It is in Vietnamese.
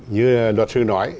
như luật sư nói